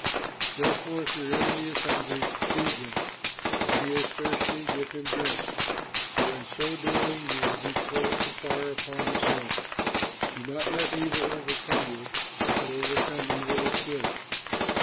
Therefore, if your enemy is hungry, feed him; if he is thirsty, give him drink, for in so doing you will heap coals of fire upon his head. Do not let evil overcome you, but overcome evil with good.